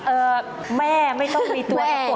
เอ่อแม่ไม่ต้องมีตัวอักกฏครับ